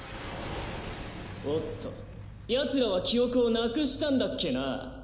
おっとヤツらは記憶をなくしたんだっけな。